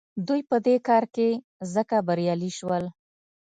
دوی په دې کار کې ځکه بریالي شول.